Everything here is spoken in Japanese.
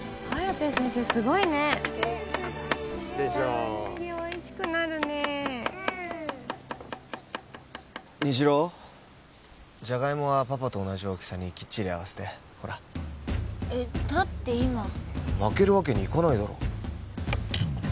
うんすごいでしょ玉ねぎおいしくなるねうん虹朗ジャガイモはパパと同じ大きさにきっちり合わせてほらえっだって今負けるわけにいかないだろう